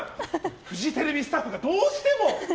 フジテレビスタッフがどうしても。